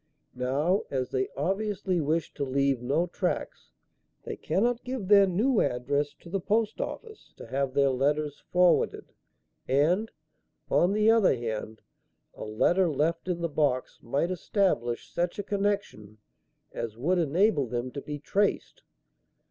Now, as they obviously wish to leave no tracks, they cannot give their new address to the Post Office to have their letters forwarded, and, on the other hand, a letter left in the box might establish such a connection as would enable them to be traced.